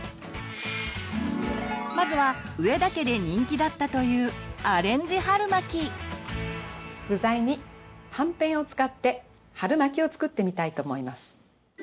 まずは上田家で人気だったという具材にはんぺんを使って春巻を作ってみたいと思います。